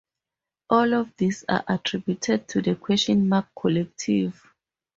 All of these are attributed to the "Question Mark Collective".